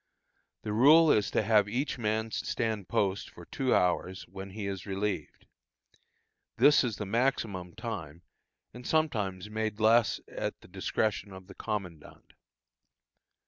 The rule is to have each man stand post for two hours, when he is relieved. This is the maximum time, and is sometimes made less at the discretion of the commandant.